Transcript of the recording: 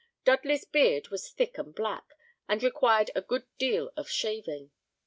Dudley's beard was thick and black, and required a good deal of shaving.